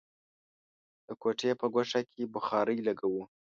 د کوټې په ګوښه کې بخارۍ لګوو.